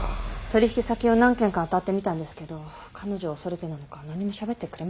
取引先を何軒か当たってみたんですけど彼女を恐れてなのか何もしゃべってくれませんでした。